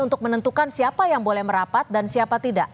untuk menentukan siapa yang boleh merapat dan siapa tidak